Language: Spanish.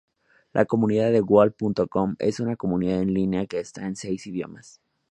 La Comunidad de Goal.com es una comunidad en línea que está en seis idiomas.